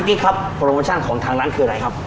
นี่ครับโปรโมชั่นของทางร้านคืออะไรครับ